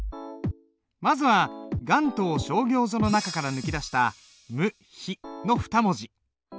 まずは「雁塔聖教序」の中から抜き出した「無比」の２文字。